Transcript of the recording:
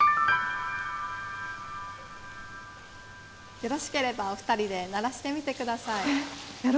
よろしければお２人で鳴らしてみてくやろ！